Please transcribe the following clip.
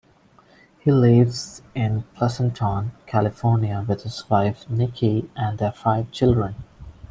He lives in Pleasanton, California with his wife Nickie and their five children.